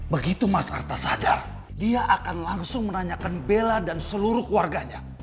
begitu mas arta sadar dia akan langsung menanyakan bella dan seluruh keluarganya